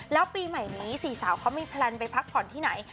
แล้วปีใหม่นี้สี่สาวเขามีแพลนไปพักผ่อนที่ไหน